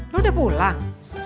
lu udah pulang